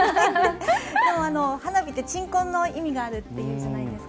でも、花火って鎮魂の意味があるっていうじゃないですか。